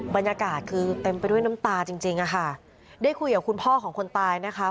บรรยากาศคือเต็มไปด้วยน้ำตาจริงจริงอะค่ะได้คุยกับคุณพ่อของคนตายนะคะ